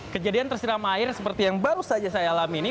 kejadian tersiram air seperti yang baru saja saya alami ini